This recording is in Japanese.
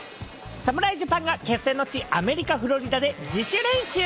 侍ジャパンが決戦の地、アメリカ・フロリダで自主練習。